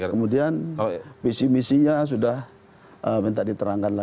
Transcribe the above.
kemudian visi misinya sudah minta diterangkan lagi